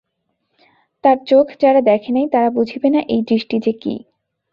তার চোখ যারা দেখে নাই তারা বুঝিবে না এই দৃষ্টি যে কী।